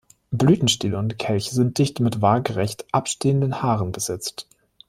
Blütenstiele und Kelche sind dicht mit waagrecht abstehenden Haaren besetzt.